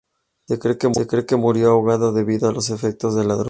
Se cree que murió ahogado debido a los efectos de la droga.